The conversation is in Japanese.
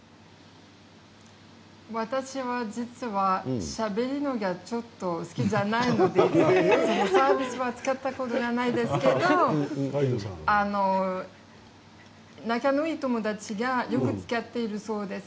私は実はしゃべるのがちょっと好きじゃないのでサービスは使ったことがないですけど仲のいい友達がよく使っているそうです。